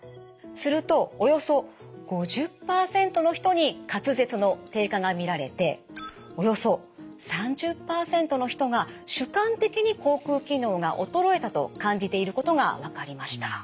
するとおよそ５０％の人に滑舌の低下が見られておよそ３０％の人が主観的に口くう機能が衰えたと感じていることが分かりました。